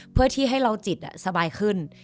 เพื่อที่ให้เราจิตสบายขึ้น